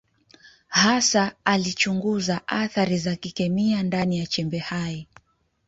Hasa alichunguza athari za kikemia ndani ya chembe hai.